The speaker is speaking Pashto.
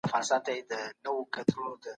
هیڅوک حق نه لري چي د بل چا په رایې سترګې پټې کړي.